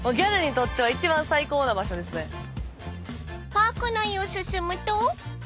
［パーク内を進むと］